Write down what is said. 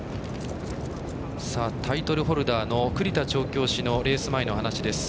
タイトルホルダーの栗田調教師のレース前の話です。